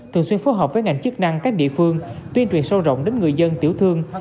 thường xuyên phối hợp với ngành chức năng các địa phương tuyên truyền sâu rộng đến người dân tiểu thương